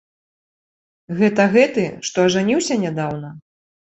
Гэта гэты, што ажаніўся нядаўна?